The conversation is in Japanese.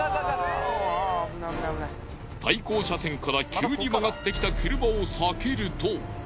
対向車線から急に曲がってきた車を避けると。